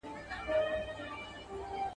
ولي انټرنیټ د زده کړي لپاره کارول کېږي؟